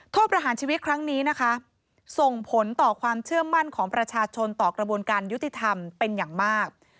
ประหารชีวิตครั้งนี้นะคะส่งผลต่อความเชื่อมั่นของประชาชนต่อกระบวนการยุติธรรมเป็นอย่างมาก